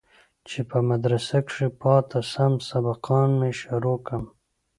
چې په مدرسه كښې پاته سم سبقان مې شروع كم.